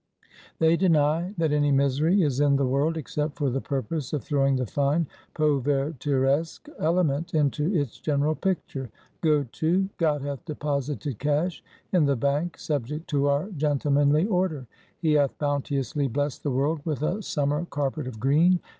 They deny that any misery is in the world, except for the purpose of throwing the fine povertiresque element into its general picture. Go to! God hath deposited cash in the Bank subject to our gentlemanly order; he hath bounteously blessed the world with a summer carpet of green.